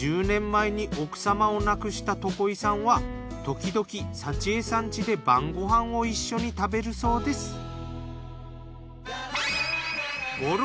１０年前に奥様を亡くした床井さんはときどき幸恵さん家で晩ご飯を一緒に食べるそうです。